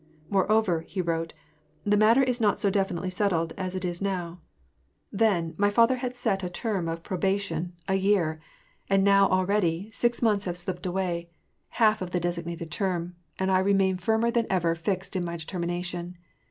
" Moreover," he wrote, " the matter was not so definitely settled as it is now. Then, my father had set a term of proba 240 WAR ASD PEACE, tion — a year ; and now, already, six months have slipped away, half of the designated term, and I remain firmer than ever fixed in my determination.